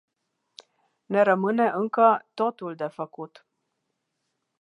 Ne rămâne încă totul de făcut.